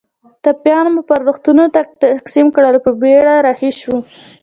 ټپیان مو پر روغتونونو تقسیم کړل او په بېړه رهي شوو.